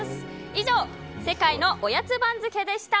以上、世界のおやつ番付でした。